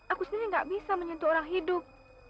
aku sendiri gak bisa menyentuh orang hidup